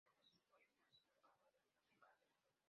Algunos de sus poemas nunca fueron publicados.